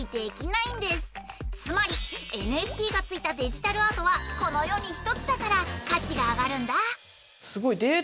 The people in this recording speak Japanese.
つまりＮＦＴがついたデジタルアートはこの世に一つだから価値が上がるんだ。